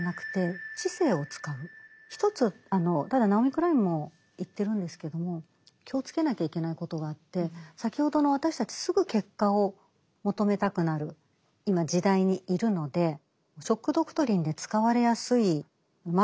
一つただナオミ・クラインも言ってるんですけども気をつけなきゃいけないことがあって先ほどの私たちすぐ結果を求めたくなる今時代にいるので「ショック・ドクトリン」で使われやすいマーケティングとしてですね